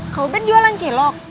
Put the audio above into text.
kau berjualan cilok